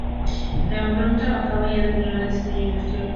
La Werkbund trabajaba ya en el dominio de diseño industrial.